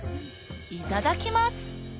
いただきます！